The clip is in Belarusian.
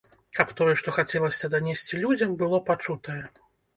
Каб тое, што хацелася данесці людзям, было пачутае!